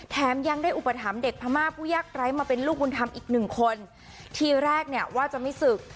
แถมยังได้อุปถัมภ์เด็กพม่าผู้ยากไร้มาเป็นลูกบุญธรรมอีกหนึ่งคนทีแรกเนี่ยว่าจะไม่ศึก